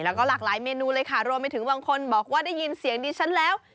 แล้วก็หลากหลายเมนูเลยค่ะรวมไปถึงบางคนบอกว่าได้ยินเสียงดิฉันแล้ว